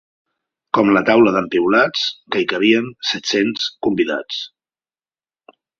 Com la taula d'en Piulats, que hi cabien set-cents convidats.